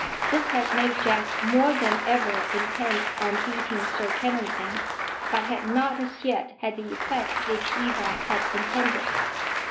This had made Jack more than ever intent on beating Sir Kennington, but had not as yet had the effect which Eva had intended.